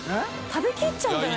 食べ切っちゃうんじゃ？